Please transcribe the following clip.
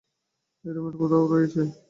এই রুমেই কোথাও রয়েছে।